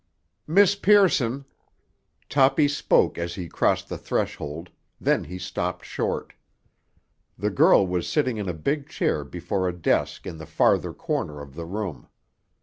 "Miss Pearson!" Toppy spoke as he crossed the threshold; then he stopped short. The girl was sitting in a big chair before a desk in the farther corner of the room.